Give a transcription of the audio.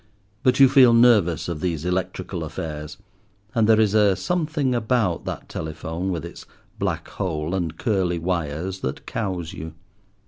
But you feel nervous of these electrical affairs, and there is a something about that telephone, with its black hole and curly wires, that cows you.